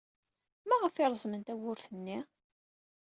Maɣef ay reẓmen tawwurt-nni?